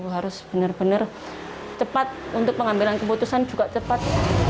harus benar benar cepat untuk pengambilan keputusan juga cepat